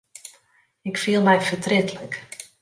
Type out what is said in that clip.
Ik fiel my fertrietlik.